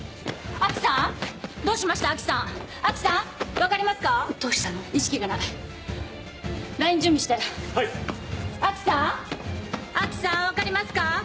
安芸さん分かりますか？